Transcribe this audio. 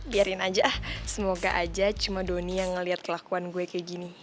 biarin aja semoga aja cuma doni yang ngeliat kelakuan gue kayak gini